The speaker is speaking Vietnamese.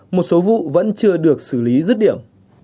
một số vụ vẫn chưa được xử lý rứt điểm